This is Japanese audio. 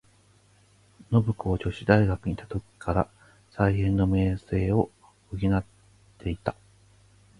信子は女子大学にゐた時から、才媛の名声を担ってゐた。